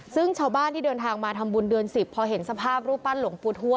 ซึ่งชาวบ้านที่เดินทางมาทำบุญเดือน๑๐พอเห็นสภาพรูปปั้นหลวงปู่ทั่ว